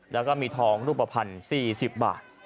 แล้วก็มีทองรูปภัณฑ์๔๐บาท